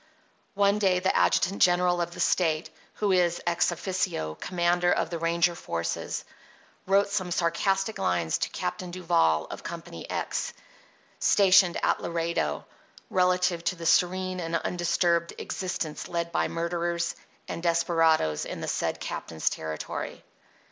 One day the adjutant general of the State, who is, ex offico, commander of the ranger forces, wrote some sarcastic lines to Captain Duval of Company X, stationed at Laredo, relative to the serene and undisturbed existence led by murderers and desperadoes in the said captain's territory.